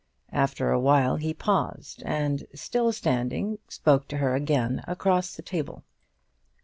After a while he paused, and, still standing, spoke to her again across the table.